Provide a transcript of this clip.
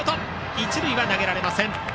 一塁には投げられません。